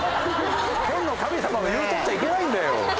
天の神様の言う通りじゃいけないんだよ！